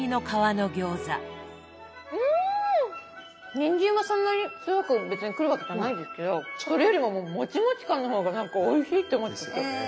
にんじんがそんなに強く別にくるわけじゃないですけどそれよりももうもちもち感の方が何かおいしいって思っちゃった。